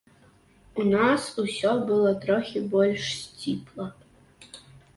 У нас усё было трохі больш сціпла.